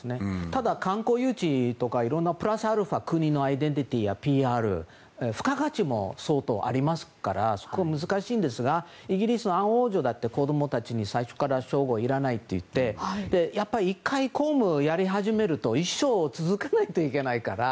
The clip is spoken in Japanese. ただ、観光誘致とかいろんなプラスアルファ国のアイデンティティーやＰＲ付加価値も相当ありますからそこは難しいんですがイギリスのアン王女だって子供たちに、最初から称号いらないと言ってやっぱり１回、公務をやり始めると一生続けないといけないから。